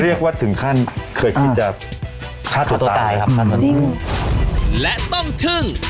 เรียกว่าถึงขั้นเคยคิดจะฆ่าตัวตายครับฆ่าตัวจริงและต้องทึ่ง